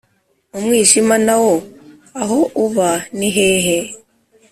umwijima na wo aho uba ni hehe,